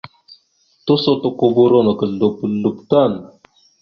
Tusotokoboro naka slop slop tan.